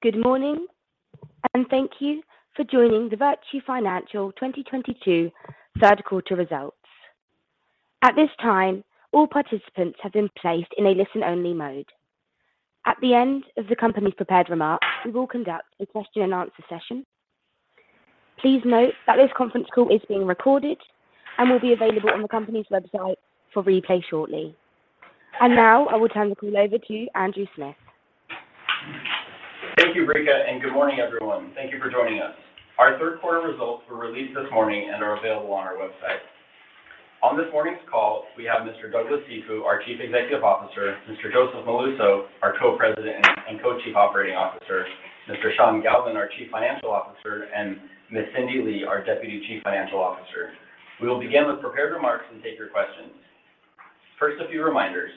Good morning, and thank you for joining the Virtu Financial 2022 3rd quarter results. At this time, all participants have been placed in a listen-only mode. At the end of the company's prepared remarks, we will conduct a question and answer session. Please note that this conference call is being recorded and will be available on the company's website for replay shortly. Now I will turn the call over to Andrew Smith. Thank you, Rita, and good morning, everyone. Thank you for joining us. Our 3rd quarter results were released this morning and are available on our website. On this morning's call, we have Mr. Douglas Cifu, our Chief Executive Officer, Mr. Joseph Molluso, our Co-President and Co-Chief Operating Officer, Mr. Sean Galvin, our Chief Financial Officer, and Ms. Cindy Lee, our Deputy Chief Financial Officer. We will begin with prepared remarks and take your questions. First, a few reminders.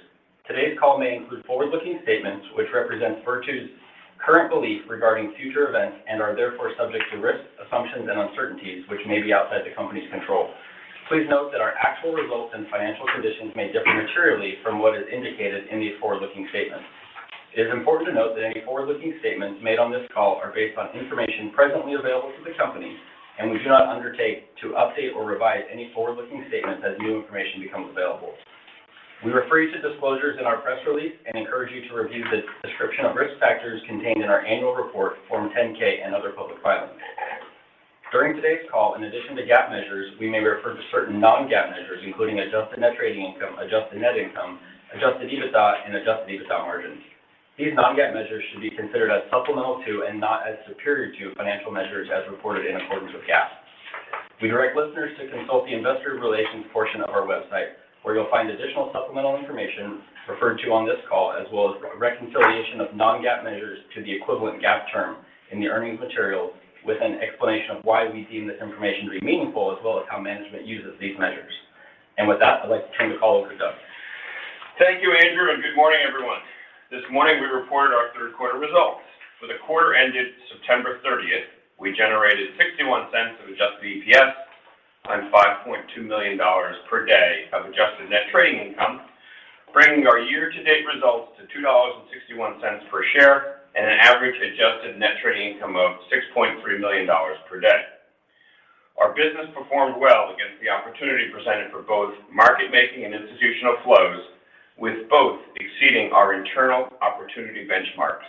Today's call may include forward-looking statements which represent Virtu's current belief regarding future events and are therefore subject to risk, assumptions, and uncertainties which may be outside the company's control. Please note that our actual results and financial conditions may differ materially from what is indicated in these forward-looking statements. It is important to note that any forward-looking statements made on this call are based on information presently available to the company, and we do not undertake to update or revise any forward-looking statements as new information becomes available. We refer you to disclosures in our press release and encourage you to review the description of risk factors contained in our annual report, Form 10-K and other public filings. During today's call, in addition to GAAP measures, we may refer to certain non-GAAP measures, including Adjusted Net Trading Income, Adjusted Net Income, Adjusted EBITDA and Adjusted EBITDA margins. These non-GAAP measures should be considered as supplemental to and not as superior to financial measures as reported in accordance with GAAP. We direct listeners to consult the investor relations portion of our website where you'll find additional supplemental information referred to on this call, as well as reconciliation of non-GAAP measures to the equivalent GAAP term in the earnings material with an explanation of why we deem this information to be meaningful as well as how management uses these measures. With that, I'd like to turn the call over to Doug. Thank you, Andrew, and good morning, everyone. This morning we reported our 3rd quarter results. For the quarter ended September 30, we generated $0.61 adjusted EPS and $5.2 million per day of adjusted net trading income, bringing our year-to-date results to $2.61 per share and an average adjusted net trading income of $6.3 million per day. Our business performed well against the opportunity presented for both market making and institutional flows, with both exceeding our internal opportunity benchmarks.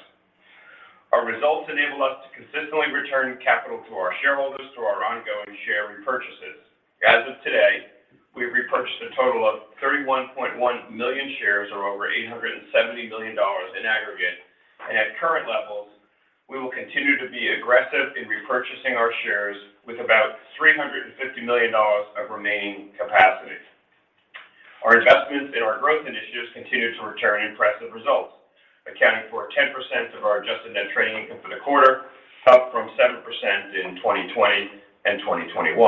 Our results enable us to consistently return capital to our shareholders through our ongoing share repurchases. As of today, we've repurchased a total of 31.1 million shares or over $870 million in aggregate. At current levels, we will continue to be aggressive in repurchasing our shares with about $350 million of remaining capacity. Our investments in our growth initiatives continue to return impressive results, accounting for 10% of our Adjusted Net Trading Income for the quarter, up from 7% in 2020 and 2021.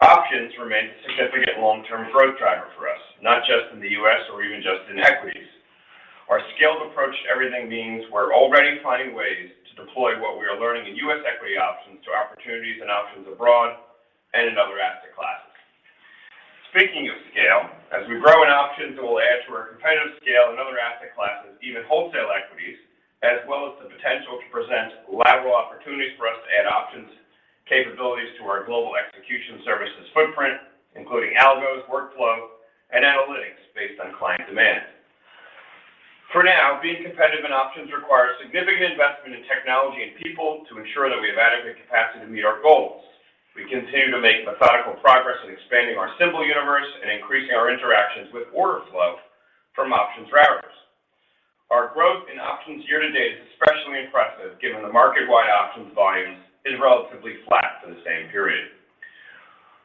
Options remain a significant long-term growth driver for us, not just in the U.S. or even just in equities. Our scaled approach to everything means we're already finding ways to deploy what we are learning in U.S. equity options to opportunities and options abroad and in other asset classes. Speaking of scale, as we grow in options, it will add to our competitive scale in other asset classes, even wholesale equities, as well as the potential to present lateral opportunities for us to add options capabilities to our global execution services footprint, including algos, workflow, and analytics based on client demand. For now, being competitive in options requires significant investment in technology and people to ensure that we have adequate capacity to meet our goals. We continue to make methodical progress in expanding our symbol universe and increasing our interactions with order flow from options routers. Our growth in options year to date is especially impressive given the market-wide options volumes is relatively flat for the same period.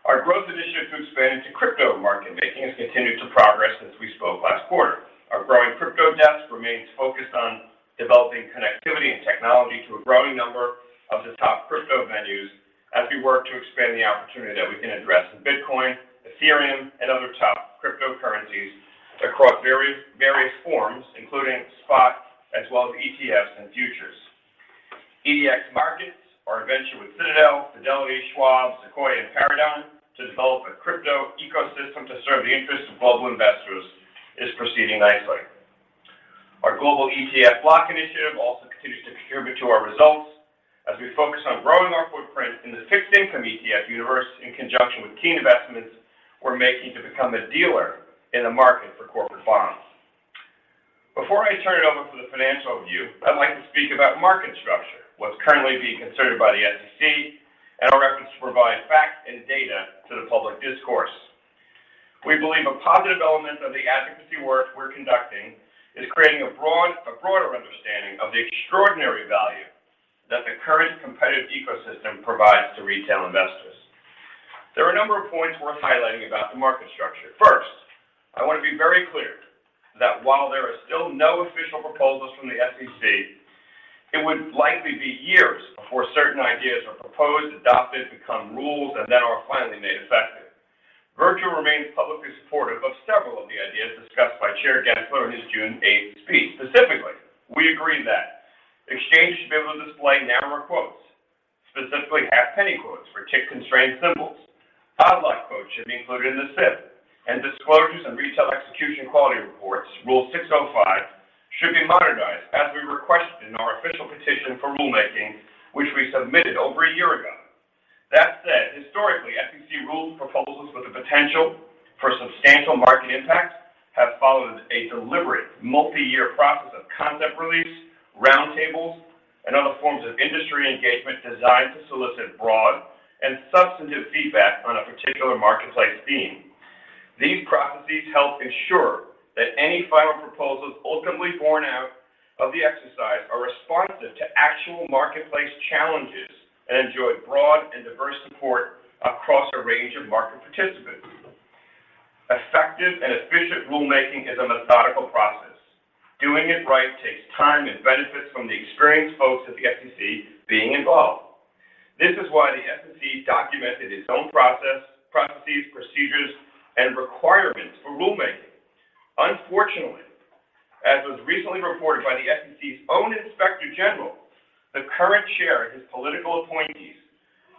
Our growth initiatives to expand into crypto market making has continued to progress since we spoke last quarter. Our growing crypto desk remains focused on developing connectivity and technology to a growing number of the top crypto venues as we work to expand the opportunity that we can address in Bitcoin, Ethereum and other top cryptocurrencies across various forms, including spot as well as ETFs and futures. EDX Markets, our venture with Citadel, Fidelity, Schwab, Sequoia and Paradigm to develop a crypto ecosystem to serve the interests of global investors is proceeding nicely. Our global ETF block initiative also continues to contribute to our results as we focus on growing our footprint in the fixed income ETF universe in conjunction with key investments we're making to become a dealer in the market for corporate bonds. Before I turn it over to the financial view, I'd like to speak about market structure, what's currently being considered by the SEC, and our efforts to provide facts and data to the public discourse. We believe a positive element of the advocacy work we're conducting is creating a broader understanding of the extraordinary value that the current competitive ecosystem provides to retail investors. There are a number of points worth highlighting about the market structure. First, I want to be very clear that while there are still no official proposals from the SEC, it would likely be years before certain ideas are proposed, adopted, become rules, and then are finally made effective. Virtu remains publicly supportive of several of the ideas discussed by Chair Gensler in his June eighth speech. Specifically, we agree that exchanges should be able to display narrower quotes. Specifically, half penny quotes for tick-constrained symbols. Odd-lot quotes should be included in the SIP, and disclosures and retail execution quality reports, Rule 605, should be modernized as we requested in our official petition for rulemaking, which we submitted over a year ago. That said, historically, SEC rule proposals with the potential for substantial market impacts have followed a deliberate multi-year process of concept release, roundtables, and other forms of industry engagement designed to solicit broad and substantive feedback on a particular marketplace theme. These processes help ensure that any final proposals ultimately born out of the exercise are responsive to actual marketplace challenges and enjoy broad and diverse support across a range of market participants. Effective and efficient rulemaking is a methodical process. Doing it right takes time and benefits from the experienced folks at the SEC being involved. This is why the SEC documented its own process, processes, procedures, and requirements for rulemaking. Unfortunately, as was recently reported by the SEC's own inspector general, the current chair and his political appointees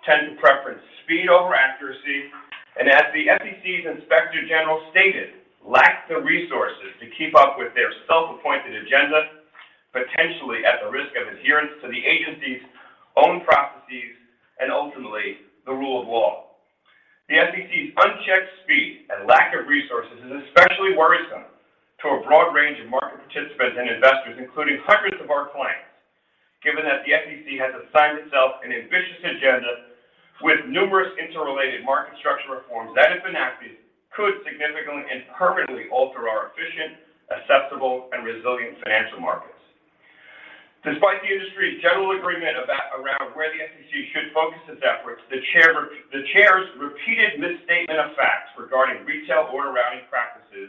tend to prefer speed over accuracy, and as the SEC's inspector general stated, "Lack the resources to keep up with their self-appointed agenda, potentially at the risk of adherence to the agency's own processes and ultimately the rule of law." The SEC's unchecked speed and lack of resources is especially worrisome to a broad range of market participants and investors, including hundreds of our clients, given that the SEC has assigned itself an ambitious agenda with numerous interrelated market structure reforms that, if enacted, could significantly and permanently alter our efficient, accessible, and resilient financial markets. Despite the industry's general agreement around where the SEC should focus its efforts, the chair's repeated misstatement of facts regarding retail order routing practices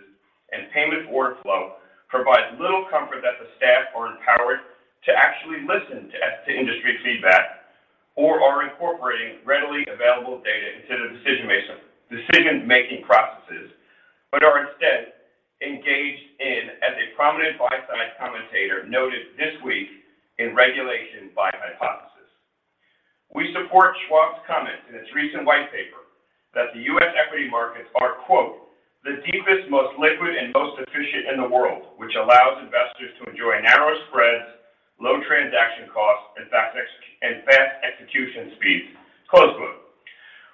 and payment for order flow provides little comfort that the staff are empowered to actually listen to industry feedback or are incorporating readily available data into the decision-making processes, but are instead engaged in, as a prominent buy-side commentator noted this week, regulatory by hypothesis. We support Schwab's comment in its recent white paper that the U.S. equity markets are, quote, "The deepest, most liquid, and most efficient in the world, which allows investors to enjoy narrow spreads, low transaction costs, and fast execution speeds." Close quote.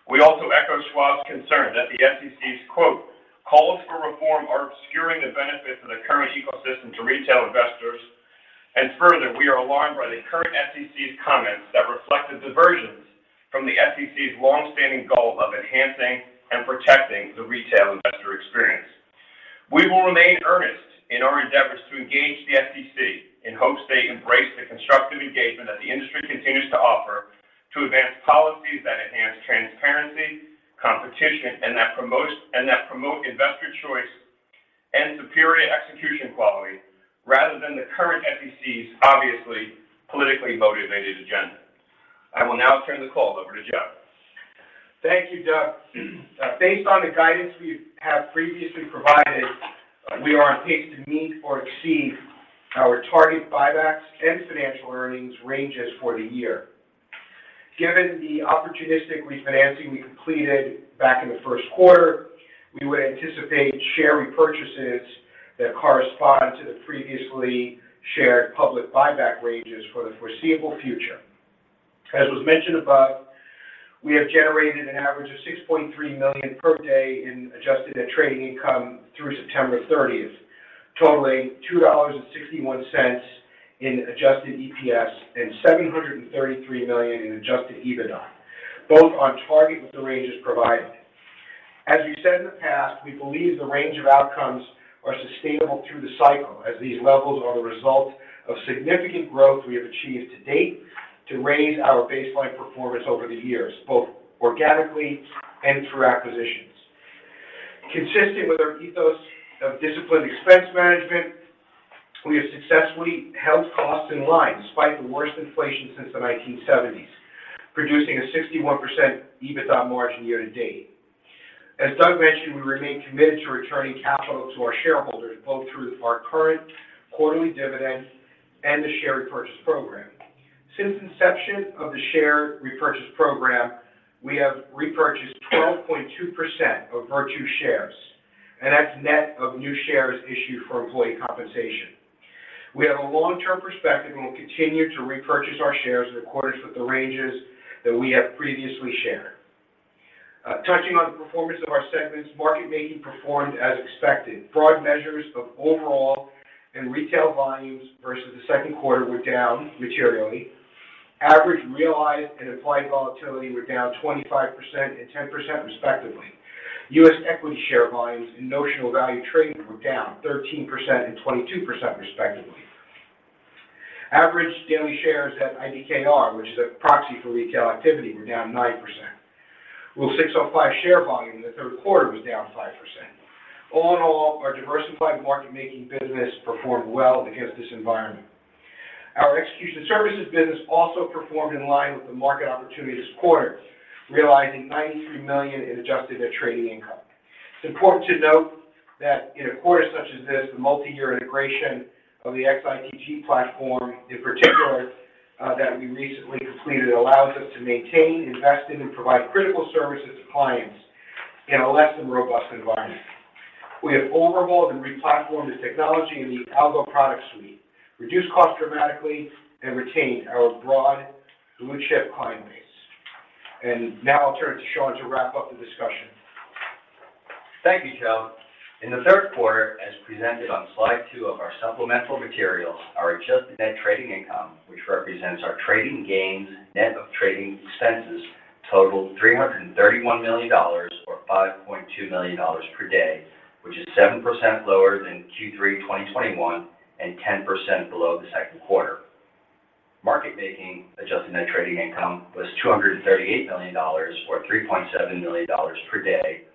We also echo Schwab's concern that the SEC's, quote, "Calls for reform are obscuring the benefits of the current ecosystem to retail investors. Further, we are alarmed by the current SEC's comments that reflect a divergence from the SEC's long-standing goal of enhancing and protecting the retail investor experience." We will remain earnest in our endeavors to engage the SEC in hopes they embrace the constructive engagement that the industry continues to offer to advance policies that enhance transparency, competition, and that promote investor choice and superior execution quality, rather than the current SEC's obviously politically motivated agenda. I will now turn the call over to Joe. Thank you, Doug. Based on the guidance we have previously provided, we are on pace to meet or exceed our target buybacks and financial earnings ranges for the year. Given the opportunistic refinancing we completed back in the 1st quarter, we would anticipate share repurchases that correspond to the previously shared public buyback ranges for the foreseeable future. As was mentioned above, we have generated an average of $6.3 million per day in Adjusted Net Trading Income through September 30, totaling $2.61 in adjusted EPS and $733 million in Adjusted EBITDA, both on target with the ranges provided. As we said in the past, we believe the range of outcomes are sustainable through the cycle, as these levels are the result of significant growth we have achieved to date to raise our baseline performance over the years, both organically and through acquisitions. Consistent with our ethos of disciplined expense management, we have successfully held costs in line despite the worst inflation since the 1970s, producing a 61% EBITDA margin year to date. As Doug mentioned, we remain committed to returning capital to our shareholders, both through our current quarterly dividend and the share repurchase program. Since inception of the share repurchase program, we have repurchased 12.2% of Virtu shares, and that's net of new shares issued for employee compensation. We have a long-term perspective and we'll continue to repurchase our shares in accordance with the ranges that we have previously shared. Touching on the performance of our segments, market making performed as expected. Broad measures of overall and retail volumes versus the second quarter were down materially. Average realized and implied volatility were down 25% and 10% respectively. U.S. equity share volumes and notional value trading were down 13% and 22% respectively. Average daily shares at IBKR, which is a proxy for retail activity, were down 9%. Rule 605 share volume in the 3rd quarter was down 5%. All in all, our diversified market making business performed well against this environment. Our execution services business also performed in line with the market opportunity this quarter, realizing $93 million in adjusted net trading income. It's important to note that in a quarter such as this, the multi-year integration of the ITG platform, in particular, that we recently completed allows us to maintain, invest in, and provide critical services to clients in a less than robust environment. We have overhauled and re-platformed the technology in the Algo product suite, reduced costs dramatically, and retained our broad blue-chip client base. Now I'll turn to Sean to wrap up the discussion. Thank you, Joe. In the 3rd quarter, as presented on slide two of our supplemental materials, our adjusted net trading income, which represents our trading gains net of trading expenses, totaled $331 million or $5.2 million per day, which is 7% lower than Q3 2021 and 10% below the 2nd quarter. Market making adjusted net trading income was $238 million or $3.7 million per day,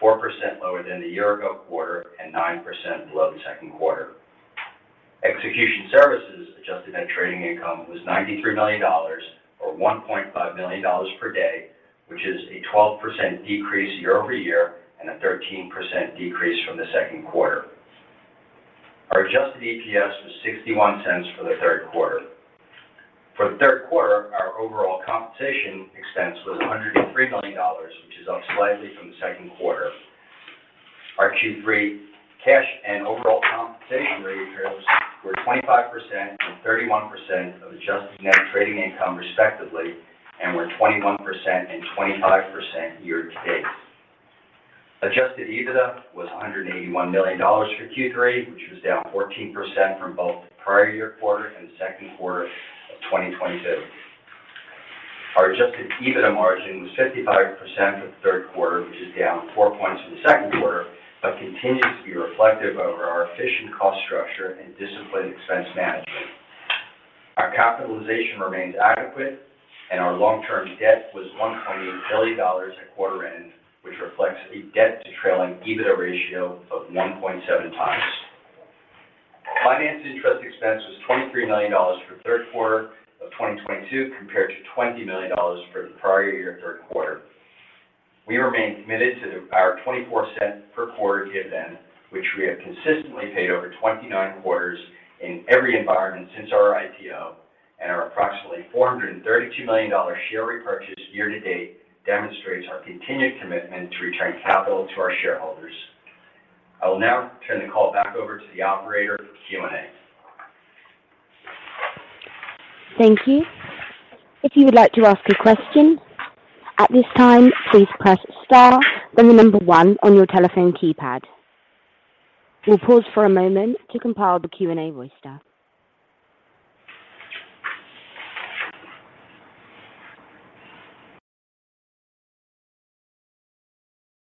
4% lower than the year-ago quarter and 9% below the 2nd quarter. Execution services adjusted net trading income was $93 million or $1.5 million per day, which is a 12% decrease year-over-year and a 13% decrease from the 2nd quarter. Our adjusted EPS was $0.61 for the 3rd quarter. For the 3rd quarter, our overall compensation expense was $103 million, which is up slightly from the 2nd quarter. Our Q3 cash and overall compensation rate ratios were 25% and 31% of Adjusted Net Trading Income respectively, and were 21% and 25% year to date. Adjusted EBITDA was $181 million for Q3, which was down 14% from both the prior year quarter and the 2nd quarter of 2022. Our Adjusted EBITDA margin was 55% for the 3rd quarter, which is down 4 points in the 2nd quarter, but continues to be reflective over our efficient cost structure and disciplined expense management. Our capitalization remains adequate and our long-term debt was $1.8 billion at quarter end, which reflects a debt-to-trailing EBITDA ratio of 1.7 times. Finance interest expense was $23 million for 3rd quarter of 2022 compared to $20 million for the prior year 3rd quarter. We remain committed to our 24-cent per quarter dividend, which we have consistently paid over 29 quarters in every environment since our IPO. Our approximately $432 million share repurchase year to date demonstrates our continued commitment to returning capital to our shareholders. I will now turn the call back over to the operator for Q&A. Thank you. If you would like to ask a question at this time, please press star, then the number 1 on your telephone keypad. We'll pause for a moment to compile the Q&A voice stack.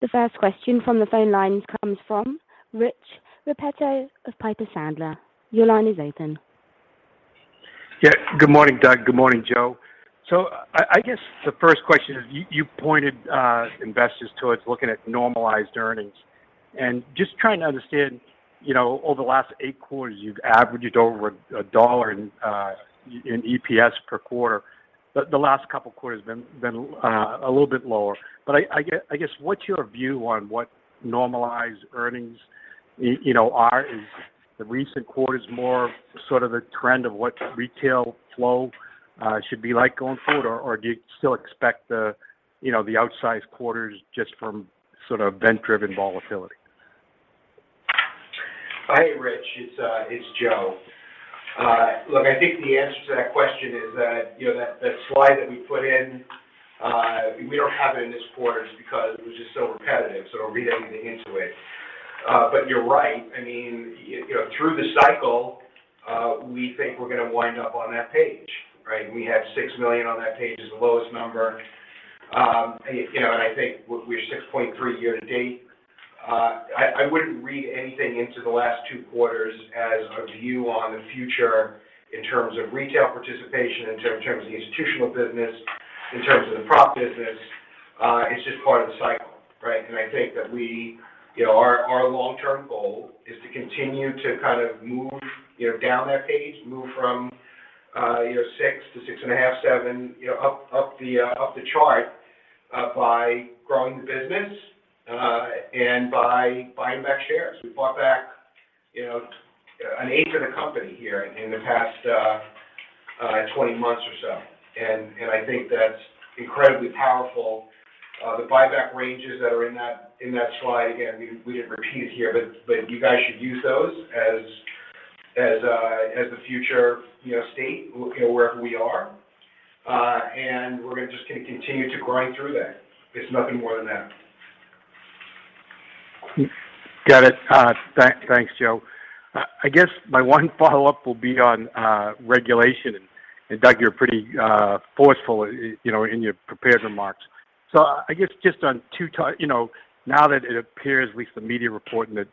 The first question from the phone lines comes from Rich Repetto of Piper Sandler. Your line is open. Yeah. Good morning, Doug. Good morning, Joe. I guess the first question is you pointed investors towards looking at normalized earnings. Just trying to understand, you know, over the last 8 quarters, you've averaged over $1 in EPS per quarter. The last couple of quarters have been a little bit lower. I guess, what's your view on what normalized earnings, you know, are? Is the recent quarters more sort of the trend of what retail flow should be like going forward, or do you still expect, you know, the outsized quarters just from sort of event-driven volatility? Hey, Rich. It's Joe. Look, I think the answer to that question is that, you know, that slide that we put in, we don't have it in this quarter just because it was just so repetitive, so I won't read anything into it. But you're right. I mean, you know, through the cycle, we think we're gonna wind up on that page, right? We have $6 million on that page as the lowest number. You know, and I think we're $6.3 year to date. I wouldn't read anything into the last 2 quarters as a view on the future in terms of retail participation, in terms of the institutional business, in terms of the prop business. It's just part of the cycle, right? I think that we, you know, our long-term goal is to continue to kind of move, you know, down that page, move from, you know, 6 to 6.5, 7, you know, up the chart by growing the business and by buying back shares. We bought back, you know, an eighth of the company here in the past 20 months or so. I think that's incredibly powerful. The buyback ranges that are in that slide, again, we didn't repeat it here, but you guys should use those as the future, you know, state looking at wherever we are. We're gonna just continue to grind through that. It's nothing more than that. Got it. Thanks, Joe. I guess my one follow-up will be on regulation. Doug, you're pretty forceful, you know, in your prepared remarks. I guess just on 2, you know, now that it appears, at least the media reporting that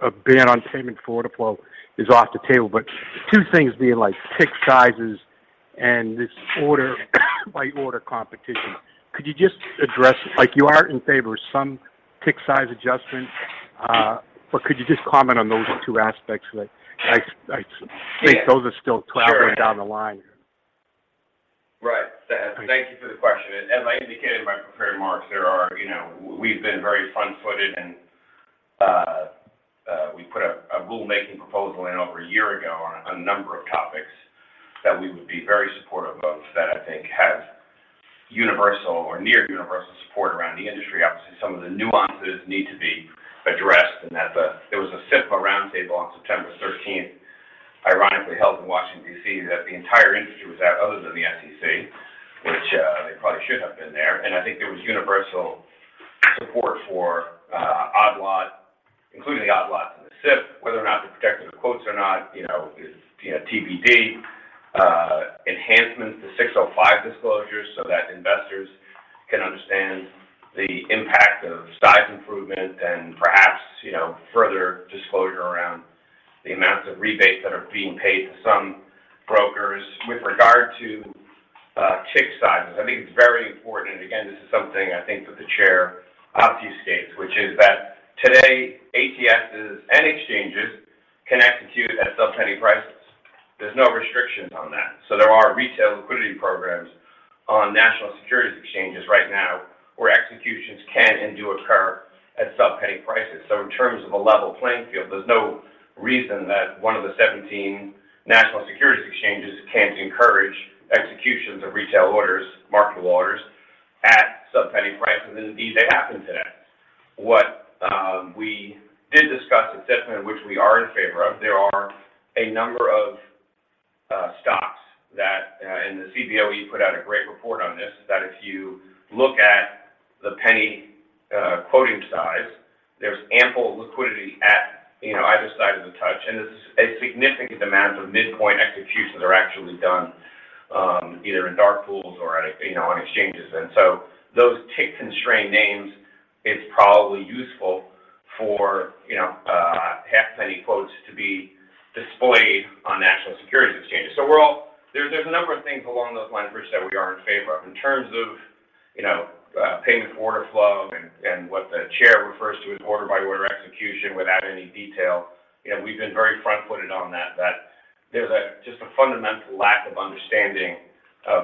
a ban on payment for order flow is off the table. 2 things being like tick sizes and this order by order competition. Could you just address, like you are in favor of some tick size adjustments? Or could you just comment on those two aspects of it? I think those are still traveling down the line. Right. Thank you for the question. As I indicated in my prepared remarks, there are, you know, we've been very front-footed, and we put a rulemaking proposal in over a year ago on a number of topics that we would be very supportive of that I think have universal or near universal support around the industry. Obviously, some of the nuances need to be addressed. There was a SIFMA roundtable on September 13, ironically, held in Washington, D.C., that the entire industry was at, other than the SEC, which they probably should have been there. I think there was universal support for odd lot, including the odd lots in the SIP, whether or not they're protective of quotes or not, you know, is, you know, TBD. Enhancements to Rule 605 disclosures so that investors can understand the impact of size improvement and perhaps, you know, further disclosure around the amounts of rebates that are being paid to some brokers. With regard to tick sizes, I think it's very important, and again, this is something I think that the chair obfuscates, which is that today, ATSs and exchanges can execute at sub-penny prices. There's no restrictions on that. So there are retail liquidity programs on national securities exchanges right now where executions can and do occur at sub-penny prices. So in terms of a level playing field, there's no reason that one of the 17 national securities exchanges can't encourage executions of retail orders, marketable orders at sub-penny prices. Indeed, they happen today. We did discuss at SIFMA, which we are in favor of. There are a number of stocks that and the Cboe put out a great report on this, that if you look at the penny quoting size, there's ample liquidity at, you know, either side of the touch. It's a significant amount of midpoint executions are actually done either in dark pools or you know, on exchanges. Those tick-constrained names, it's probably useful for, you know, half-penny quotes to be displayed on national securities exchanges. There's a number of things along those lines, Rich, that we are in favor of. In terms of, you know, payment for order flow and what the chair refers to as order by order execution without any detail, you know, we've been very front-footed on that there's just a fundamental lack of understanding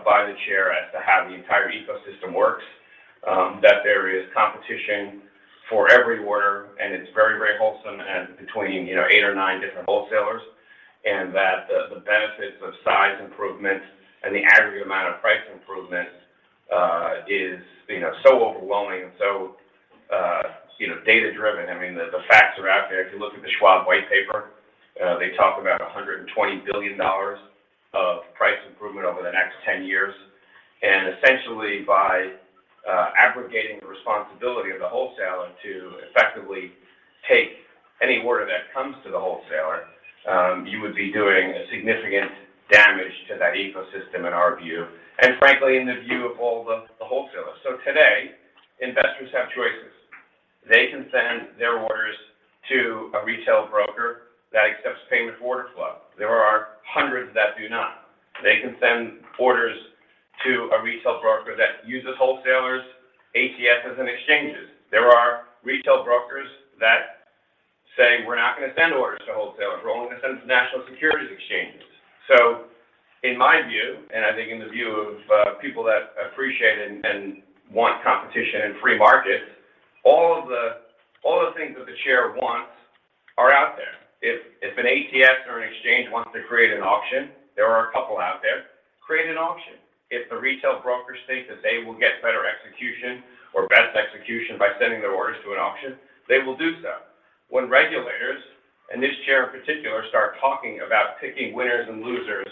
by the chair as to how the entire ecosystem works, that there is competition for every order, and it's very, very wholesome and between, you know, eight or nine different wholesalers, and that the benefits of price improvement and the aggregate amount of price improvement is, you know, so overwhelming and so, you know, data-driven. I mean, the facts are out there. If you look at the Schwab white paper, they talk about $120 billion of price improvement over the next 10 years. Essentially, by aggregating the responsibility of the wholesaler to effectively take any order that comes to the wholesaler, you would be doing a significant damage to that ecosystem in our view, and frankly, in the view of all the wholesalers. Today, investors have choices. They can send their orders to a retail broker that accepts payment for order flow. There are hundreds that do not. They can send orders to a retail broker that uses wholesalers, ATSs, and exchanges. There are retail brokers that say, "We're not gonna send orders to wholesalers. We're only gonna send them to national securities exchanges." In my view, and I think in the view of people that appreciate and want competition and free markets, all the things that the chair wants are out there. If an ATS or an exchange wants to create an auction, there are a couple out there. If the retail brokers think that they will get better execution or best execution by sending their orders to an auction, they will do so. When regulators, and this chair in particular, start talking about picking winners and losers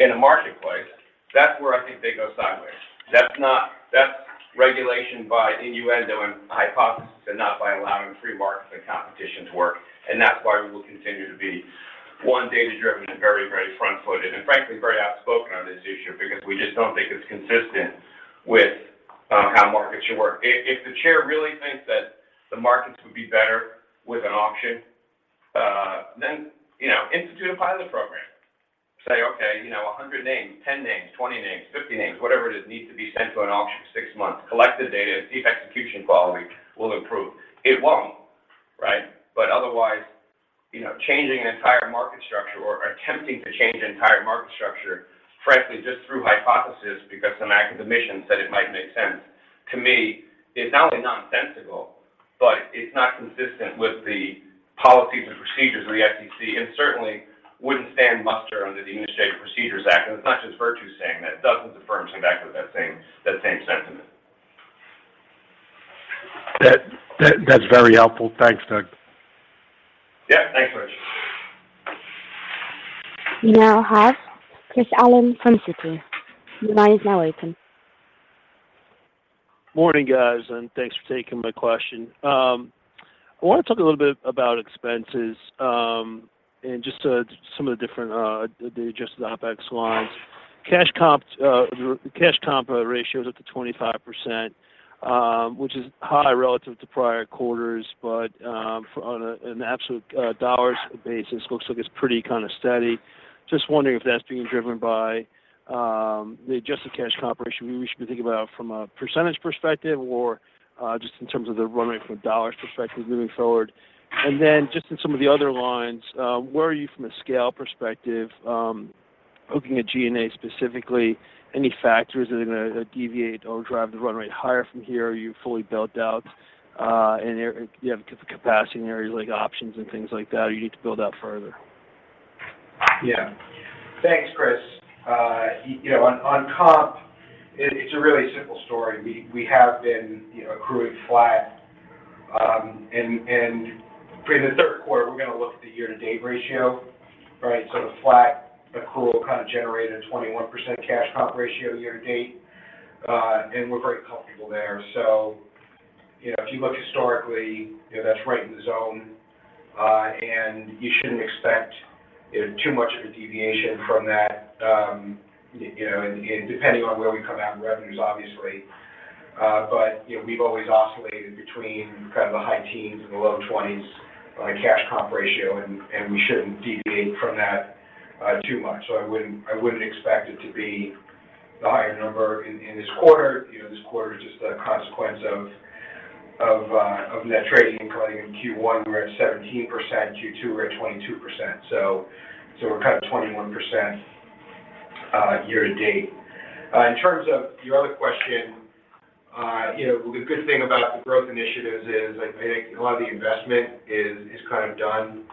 in a marketplace, that's where I think they go sideways. That's not. That's regulation by innuendo and hypothesis and not by allowing free markets and competition to work. That's why we will continue to be one, data-driven, and very, very front-footed, and frankly, very outspoken on this issue because we just don't think it's consistent with how markets should work. If the chair really thinks that the markets would be better with an auction, then, you know, institute a pilot program. Say, "Okay, you know, 100 names, 10 names, 20 names, 50 names, whatever it is, needs to be sent to an auction 6 months. Collect the data, see if execution quality will improve." It won't, right? But otherwise, you know, changing an entire market structure or attempting to change an entire market structure, frankly, just through hypothesis because some academician said it might make sense, to me, is not only nonsensical, but it's not consistent with the policies and procedures of the SEC, and certainly wouldn't stand muster under the Administrative Procedure Act. It's not just Virtu saying that. Dozens of firms came back with that same sentiment. That's very helpful. Thanks, Doug. Yeah. Thanks, Rich. We now have Christopher Allen from Citi. Your line is now open. Morning, guys, and thanks for taking my question. I wanna talk a little bit about expenses, and just some of the different the adjusted OpEx lines. Cash comp ratio is up to 25%, which is high relative to prior quarters, but on an absolute dollars basis, looks like it's pretty kinda steady. Just wondering if that's being driven by the adjusted cash comp ratio we should be thinking about from a percentage perspective or just in terms of the runway from a dollars perspective moving forward. Just in some of the other lines, where are you from a scale perspective. Looking at G&A specifically, any factors that are gonna deviate or drive the run rate higher from here? Are you fully built out, and you have the capacity and areas like options and things like that, or you need to build out further? Yeah. Thanks, Chris. You know, on comp, it's a really simple story. We have been, you know, accruing flat, and for the 3rd quarter, we're gonna look at the year-to-date ratio, right? The flat accrual kind of generated a 21% cash comp ratio year-to-date, and we're very comfortable there. You know, if you look historically, you know, that's right in the zone, and you shouldn't expect, you know, too much of a deviation from that, you know, and depending on where we come out in revenues, obviously. You know, we've always oscillated between kind of the high teens and the low twenties on a cash comp ratio and we shouldn't deviate from that, too much. I wouldn't expect it to be the higher number in this quarter. You know, this quarter is just a consequence of net trading coming in Q1, we're at 17%, Q2, we're at 22%. We're kind of 21% year-to-date. In terms of your other question, you know, the good thing about the growth initiatives is I think a lot of the investment is kind of done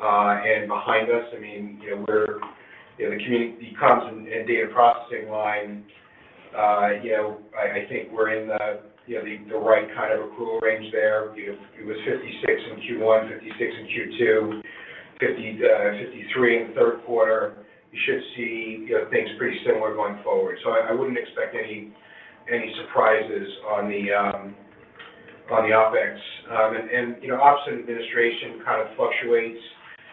and behind us. I mean, you know, the comms and data processing line, you know, I think we're in the right kind of accrual range there. You know, it was $56 in Q1, $56 in Q2, $53 in the 3rd quarter. You should see things pretty similar going forward. I wouldn't expect any surprises on the OpEx. You know, ops and administration kind of fluctuates.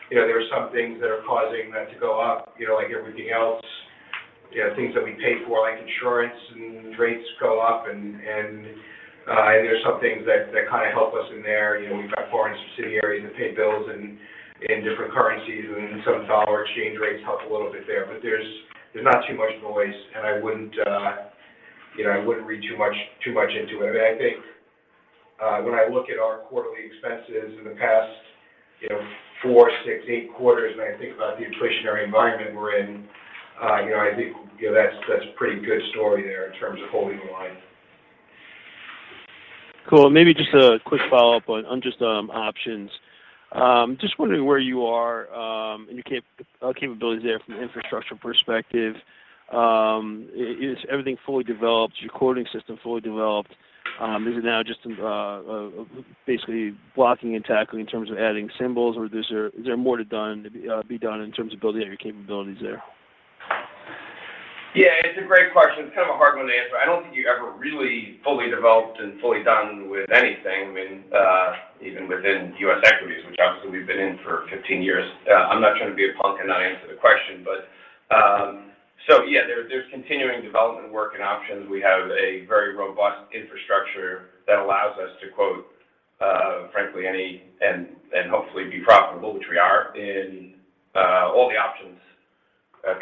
You know, there are some things that are causing that to go up, you know, like everything else, you know, things that we pay for, like insurance and rates go up, and there's some things that kind of help us in there. You know, we've got foreign subsidiaries that pay bills in different currencies, and some dollar exchange rates help a little bit there. But there's not too much noise, and I wouldn't read too much into it. I mean, I think, when I look at our quarterly expenses in the past, you know, 4, 6, 8 quarters, and I think about the inflationary environment we're in, you know, I think, you know, that's a pretty good story there in terms of holding the line. Cool. Maybe just a quick follow-up on just options. Just wondering where you are and your capabilities there from an infrastructure perspective. Is everything fully developed, your coding system fully developed? Is it now just basically blocking and tackling in terms of adding symbols or is there more to be done in terms of building out your capabilities there? Yeah, it's a great question. It's kind of a hard one to answer. I don't think you're ever really fully developed and fully done with anything. I mean, even within U.S. equities, which obviously we've been in for 15 years. I'm not trying to be a punk and not answer the question, but so yeah, there's continuing development work in options. We have a very robust infrastructure that allows us to quote frankly any and hopefully be profitable, which we are in all the options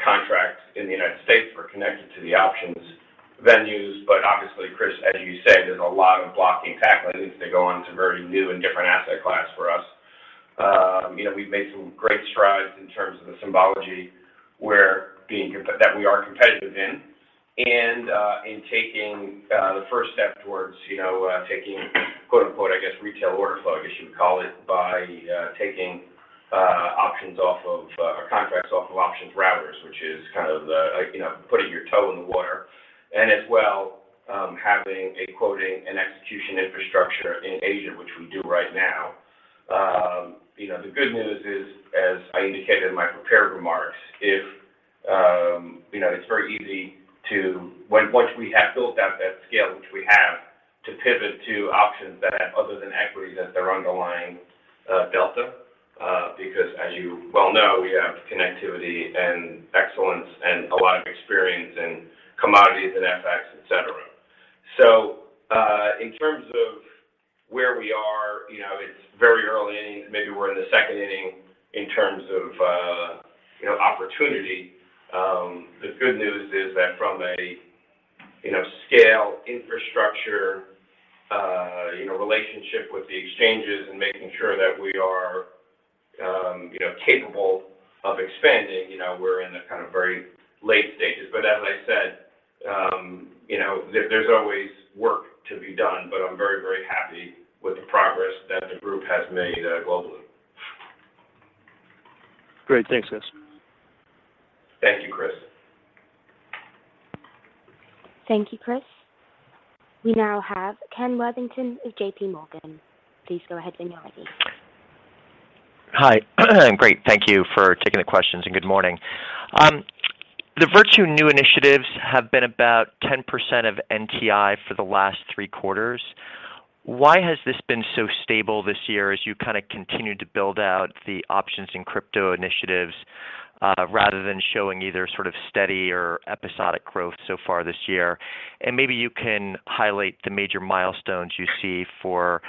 contracts in the United States. We're connected to the options venues. Obviously, Chris, as you said, there's a lot of blocking and tackling as they go on to very new and different asset class for us. You know, we've made some great strides in terms of the symbology that we are competitive in and, in taking, the first step towards, you know, taking quote-unquote, I guess, retail order flow, as you would call it, by, taking, options off of, or contracts off of options routers, which is kind of the, like, you know, putting your toe in the water and as well, having a quoting and execution infrastructure in Asia, which we do right now. You know, the good news is, as I indicated in my prepared remarks, if, you know, it's very easy to. Once we have built out that scale, which we have, to pivot to options that have other than equities as their underlying, delta, because as you well know, we have connectivity and excellence and a lot of experience in commodities and FX, et cetera. In terms of where we are, you know, it's very early inning. Maybe we're in the second inning in terms of, you know, opportunity. The good news is that from a, you know, scale infrastructure, you know, relationship with the exchanges and making sure that we are, you know, capable of expanding, you know, we're in the kind of very late stages. As I said, you know, there's always work to be done, but I'm very, very happy with the progress that the group has made, globally. Great. Thanks, Chris. Thank you, Chris. Thank you, Chris. We now have Kenneth Worthington of JPMorgan. Please go ahead when you're ready. Hi. Great. Thank you for taking the questions, and good morning. The Virtu new initiatives have been about 10% of NTI for the last three quarters. Why has this been so stable this year as you kind of continued to build out the options and crypto initiatives, rather than showing either sort of steady or episodic growth so far this year? Maybe you can highlight the major milestones you see for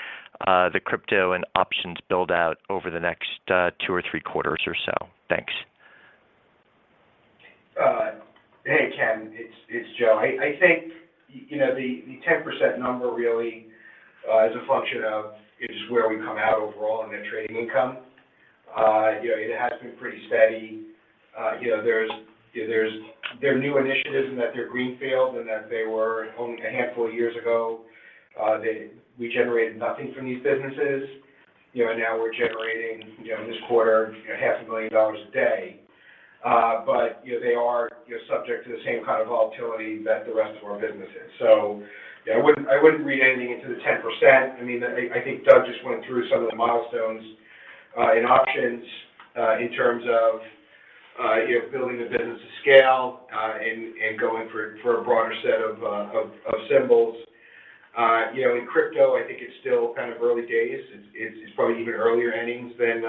the crypto and options build out over the next 2 or3 quarters or so. Thanks. Hey, Ken, it's Joe. I think, you know, the 10% number really, as a function of, is where we come out overall in net trading income. You know, it has been pretty steady. You know, there's they're new initiatives and that they're greenfields, and that they were only a handful of years ago, we generated nothing from these businesses. You know, and now we're generating, you know, in this quarter, you know, half a million dollars a day. But, you know, they are, you know, subject to the same kind of volatility that the rest of our business is. Yeah, I wouldn't read anything into the 10%. I mean, I think Doug just went through some of the milestones in options in terms of you know building the business to scale and going for a broader set of symbols. You know, in crypto, I think it's still kind of early days. It's probably even earlier innings than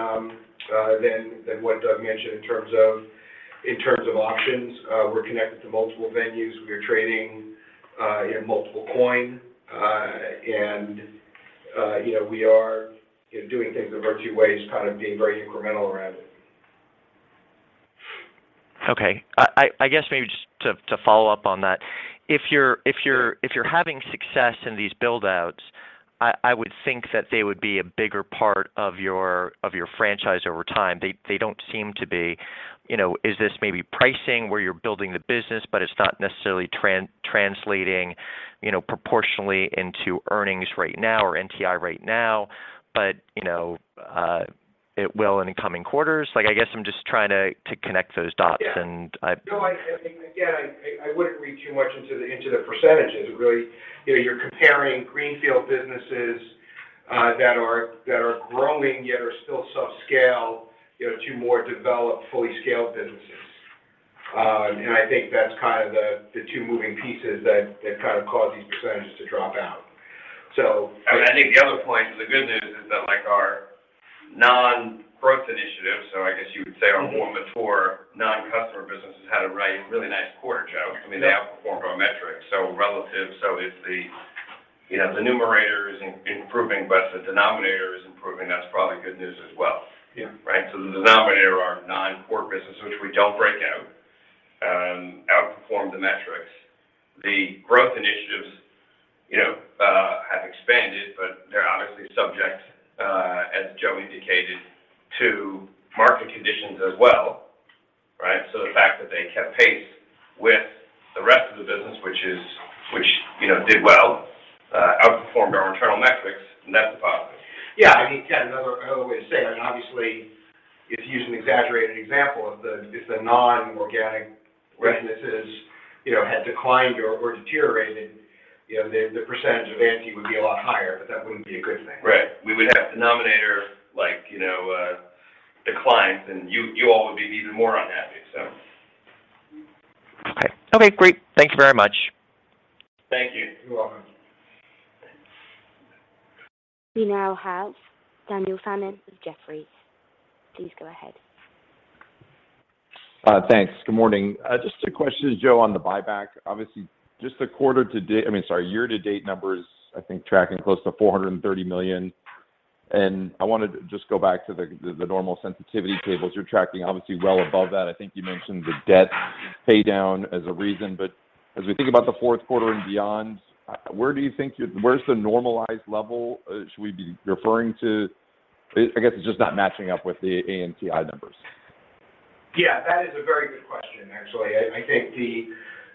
what Doug mentioned in terms of options. We're connected to multiple venues. We are trading you know multiple coins. And you know we are doing things in a variety of ways, kind of being very incremental around it. Okay. I guess maybe just to follow up on that. If you're having success in these build-outs, I would think that they would be a bigger part of your franchise over time. They don't seem to be. You know, is this maybe pricing where you're building the business, but it's not necessarily translating, you know, proportionally into earnings right now or NTI right now, but, you know, it will in the coming quarters? Like, I guess I'm just trying to connect those dots. Yeah And I- No, again, I wouldn't read too much into the percentages. Really, you know, you're comparing greenfield businesses that are growing yet are still subscale, you know, to more developed, fully scaled businesses. I think that's kind of the 2 moving pieces that kind of cause these percentages to drop out. I mean, I think the other point, the good news is that, like, our non-growth initiatives, so I guess you would say our more mature non-customer businesses, had a really nice quarter, Joe. I mean, they outperformed our metrics. Relative, if the, you know, the numerator is improving, but the denominator is improving, that's probably good news as well. Yeah. Right? The denominator, our non-core business, which we don't break out, outperformed the metrics. The growth initiatives, you know, have expanded, but they're obviously subject, as Joe indicated, to market conditions as well, right? The fact that they kept pace with the rest of the business, which, you know, did well, outperformed our internal metrics, and that's a positive. Yeah. I mean, again, another way to say it. I mean, obviously, if you use an exaggerated example, if the non-organic businesses- Right You know, had declined or deteriorated, you know, the percentage of ANTI would be a lot higher, but that wouldn't be a good thing. Right. We would have denominator, like, you know, declines, and you all would be even more unhappy, so. Okay. Okay, great. Thank you very much. Thank you. You're welcome. We now have Daniel Fannon with Jefferies. Please go ahead. Thanks. Good morning. Just 2 questions, Joe, on the buyback. Obviously just the year-to-date numbers, I think tracking close to $430 million. I mean, sorry. I wanted to just go back to the normal sensitivity tables. You're tracking obviously well above that. I think you mentioned the debt pay down as a reason. As we think about the 4th quarter and beyond, where do you think you're—where's the normalized level should we be referring to? I guess it's just not matching up with the ANTI numbers. Yeah. That is a very good question, actually. I think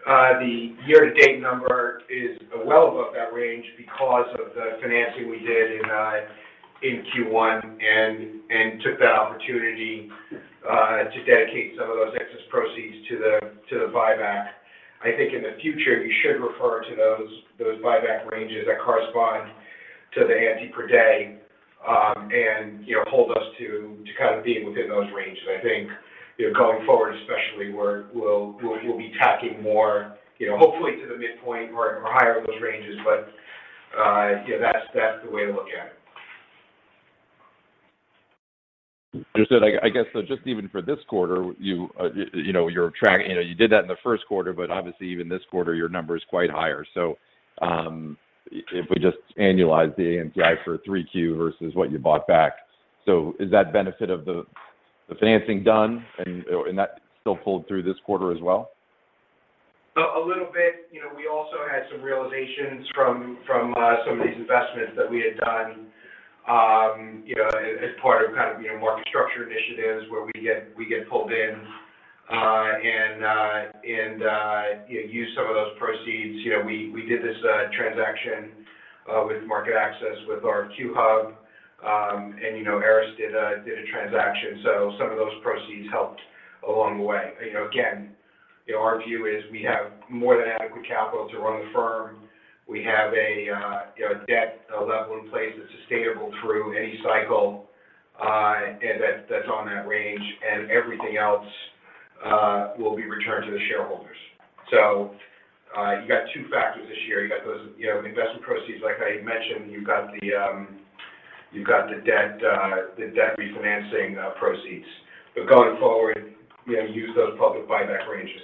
the year-to-date number is well above that range because of the financing we did in Q1 and took that opportunity to dedicate some of those excess proceeds to the buyback. I think in the future, you should refer to those buyback ranges that correspond to the ANTI per day, and, you know, hold us to kind of being within those ranges. I think, you know, going forward especially, we'll be tacking more, you know, hopefully to the midpoint or higher those ranges. You know, that's the way to look at it. Understood. I guess so just even for this quarter, you know, you did that in the 1st quarter, but obviously even this quarter, your number is quite higher. If we just annualize the ANTI for 3Q versus what you bought back. Is that benefit of the financing done and that still pulled through this quarter as well? A little bit. You know, we also had some realizations from some of these investments that we had done, you know, as part of kind of, you know, market structure initiatives where we get pulled in and use some of those proceeds. You know, we did this transaction with MarketAxess with our RFQ-hub, and, you know, Ares did a transaction. Some of those proceeds helped along the way. You know, again, you know, our view is we have more than adequate capital to run the firm. We have a debt level in place that's sustainable through any cycle, and that's on that range, and everything else will be returned to the shareholders. You got two factors this year. You got those, you know, investment proceeds, like I mentioned. You've got the debt refinancing proceeds. Going forward, you know, use those public buyback ranges.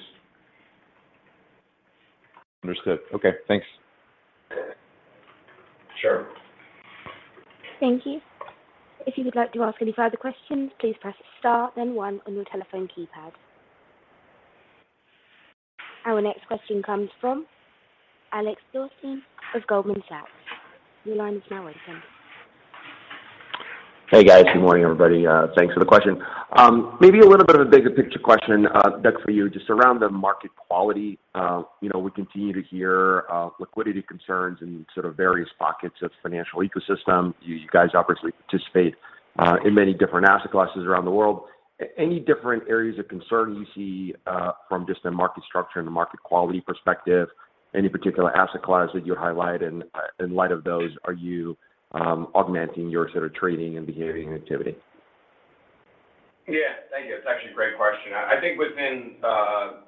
Understood. Okay, thanks. Sure. Thank you. If you would like to ask any further questions, please press Star then one on your telephone keypad. Our next question comes from Alex Blostein of Goldman Sachs. Your line is now open. Hey, guys. Good morning, everybody. Thanks for the question. Maybe a little bit of a bigger picture question, Doug, for you, just around the market quality. You know, we continue to hear of liquidity concerns in sort of various pockets of financial ecosystem. You guys obviously participate in many different asset classes around the world. Any different areas of concern you see from just the market structure and the market quality perspective? Any particular asset class that you'd highlight? In light of those, are you augmenting your sort of trading and behavioral activity? Yeah. Thank you. It's actually a great question. I think within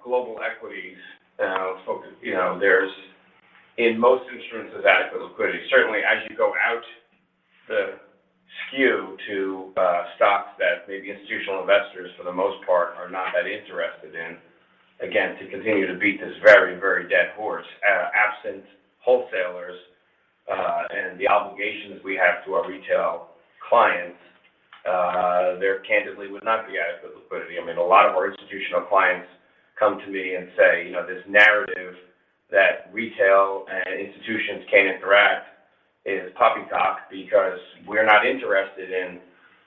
global equities. You know, in most instruments, there's adequate liquidity. Certainly, as you go out the skew to stocks that maybe institutional investors, for the most part, are not that interested in. Again, to continue to beat this very, very dead horse, absent wholesalers, and the obligations we have to our retail clients, there candidly would not be adequate liquidity. I mean, a lot of our institutional clients come to me and say, "You know, this narrative that retail and institutions can't interact is poppycock because we're not interested in,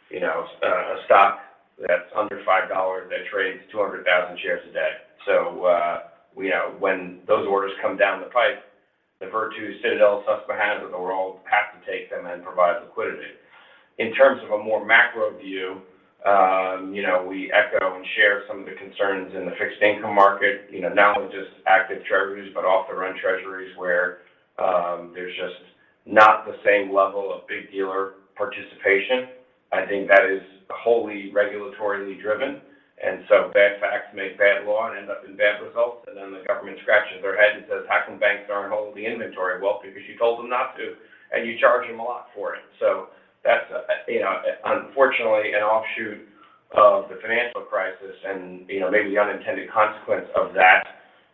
you know, sub-$5 stock that's under $5 that trades 200,000 shares a day." So, you know, when those orders come down the pipe, the Virtu, Citadel, Susquehannas of the world have to take them and provide liquidity. In terms of a more macro view, you know, we echo and share some of the concerns in the fixed income market, you know, not with just active treasuries, but off-the-run treasuries where there's just not the same level of big dealer participation. I think that is wholly regulatorily driven. Bad facts make bad law and end up in bad results. The government scratches their head and says, "How come banks aren't holding the inventory?" Well, because you told them not to, and you charge them a lot for it. That's, you know, unfortunately, an offshoot of the financial crisis. You know, maybe the unintended consequence of that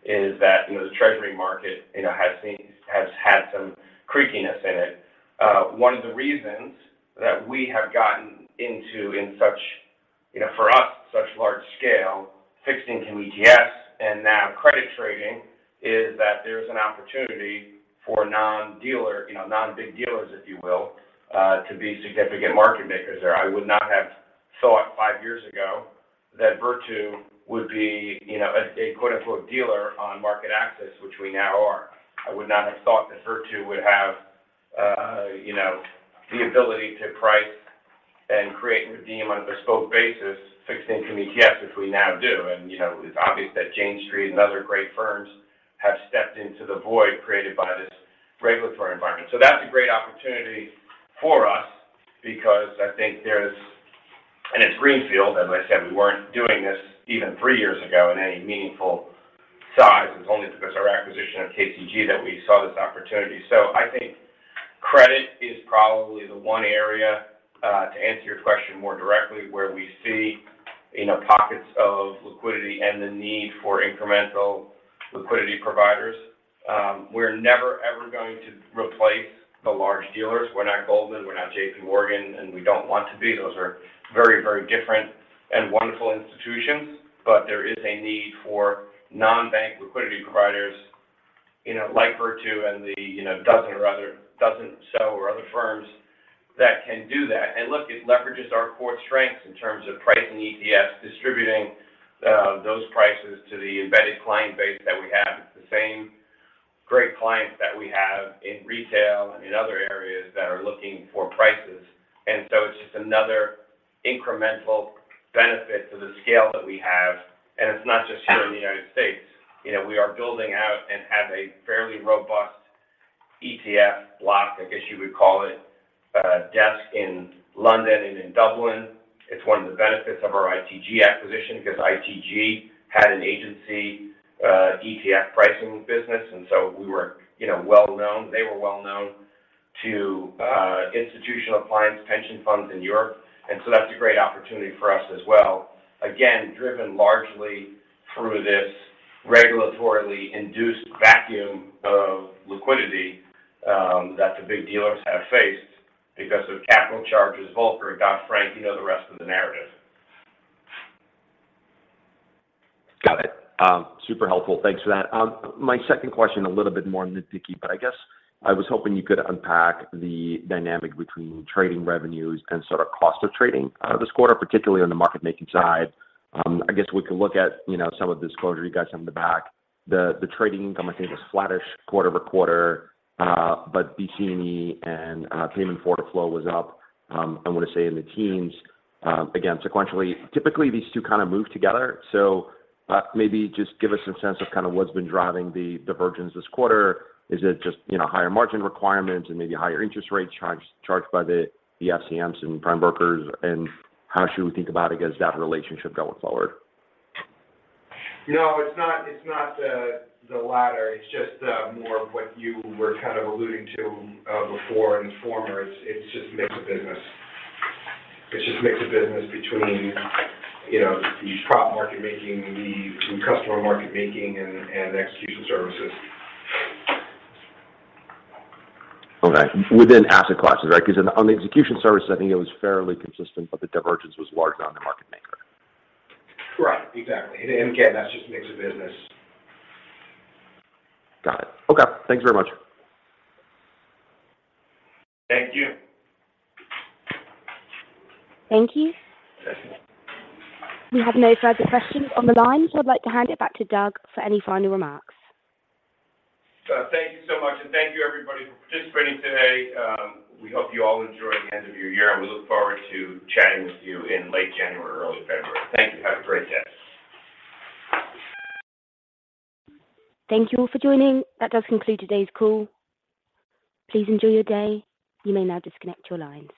is that, you know, the Treasury market, you know, has had some creakiness in it. One of the reasons that we have gotten into, in such, you know, for us, such large scale fixed income ETFs and now credit trading, is that there's an opportunity for non-dealer, you know, non-big dealers, if you will, to be significant market makers there. I would not have thought five years ago that Virtu would be, you know, a quote-unquote, "dealer" on MarketAxess, which we now are. I would not have thought that Virtu would have, you know, the ability to price and create and redeem on a bespoke basis, fixed income ETFs as we now do. You know, it's obvious that Jane Street and other great firms have stepped into the void created by this regulatory environment. That's a great opportunity for us because I think there's. It's greenfield. As I said, we weren't doing this even three years ago in any meaningful size. It's only because our acquisition of KCG that we saw this opportunity. I think credit is probably the one area, to answer your question more directly, where we see, you know, pockets of liquidity and the need for incremental liquidity providers. We're never, ever going to replace the large dealers. We're not Goldman, we're not JPMorgan, and we don't want to be. Those are very, very different and wonderful institutions. There is a need for non-bank liquidity providers, you know, like Virtu and the, you know, dozen or so or other firms that can do that. Look, it leverages our core strengths in terms of pricing ETFs, distributing, those prices to the embedded client base that we have, the same great clients that we have in retail and in other areas that are looking for prices. It's just another incremental benefit to the scale that we have. It's not just here in the United States. You know, we are building out and have a fairly robust ETF block, I guess you would call it, desk in London and in Dublin. It's one of the benefits of our ITG acquisition because ITG had an agency, ETF pricing business, and so we were, you know, well known. They were well known to institutional clients, pension funds in Europe. That's a great opportunity for us as well. Again, driven largely through this regulatorily induced vacuum of liquidity, that the big dealers have faced because of capital charges, Volcker, Dodd-Frank, you know the rest of the narrative. Got it. Super helpful. Thanks for that. My second question, a little bit more nitpicky, but I guess I was hoping you could unpack the dynamic between trading revenues and sort of cost of trading this quarter, particularly on the market making side. I guess we can look at, you know, some of disclosure you guys have in the back. The trading income, I think, was flattish quarter-over-quarter, but B, C, and E and payment for order flow was up, I want to say in the teens, again, sequentially. Typically, these two kind of move together. Maybe just give us some sense of kind of what's been driving the divergence this quarter. Is it just, you know, higher margin requirements and maybe higher interest rates charged by the FCMs and prime brokers? How should we think about, I guess, that relationship going forward? No, it's not the latter. It's just more of what you were kind of alluding to before in the former. It's just mix of business. It's just mix of business between, you know, the prop market making, the customer market making and execution services. Okay. Within asset classes, right? Because on the execution services, I think it was fairly consistent, but the divergence was larger on the market maker. Right. Exactly. Again, that's just mix of business. Got it. Okay. Thank you very much. Thank you. Thank you. Yes. We have no further questions on the line. I'd like to hand it back to Doug for any final remarks. Thank you so much, and thank you everybody for participating today. We hope you all enjoy the end of your year, and we look forward to chatting with you in late January, early February. Thank you. Have a great day. Thank you all for joining. That does conclude today's call. Please enjoy your day. You may now disconnect your lines.